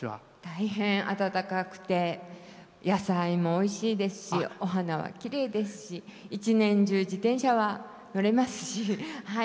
大変あたたかくて野菜もおいしいしお花はきれいですし一年中、自転車は乗れますし。